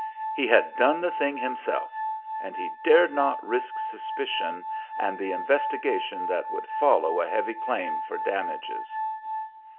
He had done the thing himself; and he dared not risk suspicion, and the investigation that would follow a heavy claim for damages.